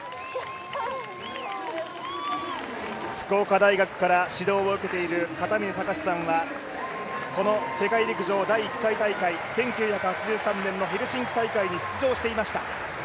福岡大学から指導を受けている元選手はこの世界陸上第１回大会、１９８３年のヘルシンキ大会に出場していました。